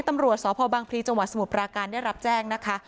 ตำรวจสพบังพลีจังหวัดสมุทรปราการได้รับแจ้งนะคะ